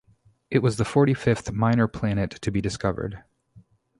It was the forty-fifth minor planet to be discovered.